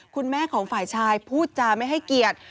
คุณแม่ของฝ่ายชายพูดจาไม่ให้เกียรติ